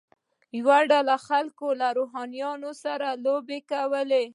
یوه ډله خلکو له اوښانو سره لوبه کوله.